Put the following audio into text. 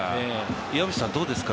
岩渕さん、どうですか？